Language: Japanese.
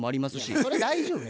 それ大丈夫や。